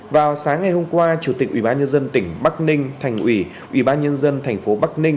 vào sáng ngày hôm qua chủ tịch ủy ban nhân dân tỉnh bắc ninh thành ủy ủy ban nhân dân thành phố bắc ninh